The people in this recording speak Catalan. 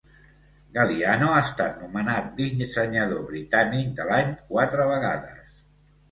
Galliano ha estat nomenat Dissenyador Britànic de l'Any quatre vegades.